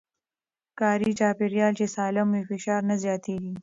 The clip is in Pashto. کاري چاپېريال چې سالم وي، فشار نه زياتېږي.